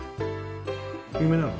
有名なの？